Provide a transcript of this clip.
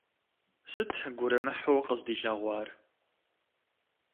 Сыт гурымыхьу къыздилъэгъуар?